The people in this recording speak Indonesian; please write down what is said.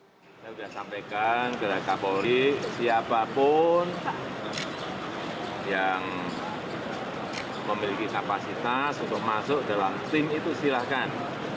saya sudah sampaikan kepada kapolri siapapun yang memiliki kapasitas untuk masuk dalam tim itu silahkan